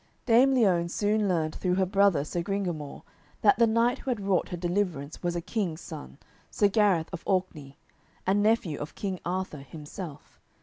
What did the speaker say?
Dame Liones soon learned through her brother Sir Gringamore that the knight who had wrought her deliverance was a king's son, Sir Gareth of Orkney, and nephew of King Arthur himself.